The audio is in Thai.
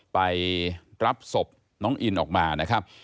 ไปรับศพน้องอินออกมานะครับ